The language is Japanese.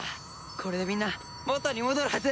これでみんな元に戻るはず！